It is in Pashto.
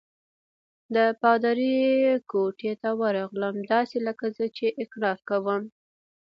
د پادري کوټې ته ورغلم، داسې لکه زه چې اقرار کوم.